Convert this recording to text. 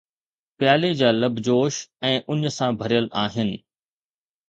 پيالي جا لب جوش ۽ اڃ سان ڀريل آهن